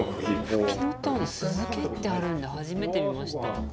フキノトウの酢漬けってあるんだ初めて見ました。